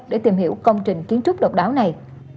để tìm hiểu công trình kiến trúc độc đáo này